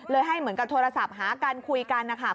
ให้เหมือนกับโทรศัพท์หากันคุยกันนะคะ